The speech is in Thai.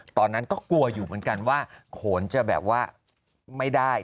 ตอนนั้นก็กลัวอยู่เหมือนกันว่าโขนจะแบบว่าไม่ได้